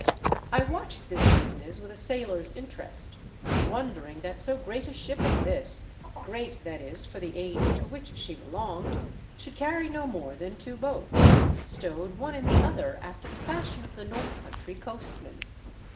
I watched this business with a sailor's interest, wondering that so great a ship as this — ^great, that is, for the age to which she belonged — should carry no more than two boats, stowed one in the other after the fashion of the north country coastmen.